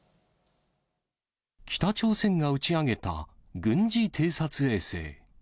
北朝鮮が打ち上げた軍事偵察衛星。